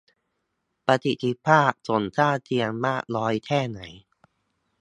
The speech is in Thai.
ประสิทธิภาพผลข้างเคียงมากน้อยแค่ไหน